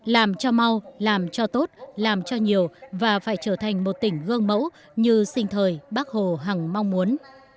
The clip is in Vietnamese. làm cho mau làm cho tốt làm cho nhiều và phải trở thành một tỉnh gương mẫu như sinh thời bác hồ hằng mong muốn